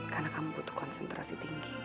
karena kamu butuh konsentrasi tinggi